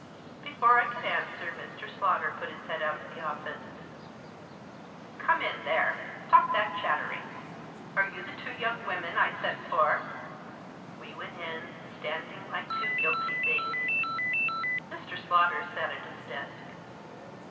Before I could answer Mr. Slaughter put his head (Hit of the office. Digitized by 33 THE JOSS. " Come in there ! Stop that chattering ! Are you the two young women I sent for ?" We went in, standing like two guilty things. Mr. Slaughter sat at his desk.